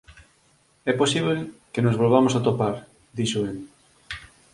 É posible que nos volvamos atopar —dixo el—.